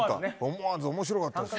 思わずね、面白かったです。